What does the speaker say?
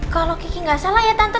kalo kiki gak salah ya tante